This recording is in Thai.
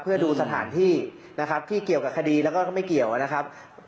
เพื่อดูสถานที่นะครับที่เกี่ยวกับคดีแล้วก็ไม่เกี่ยวนะครับ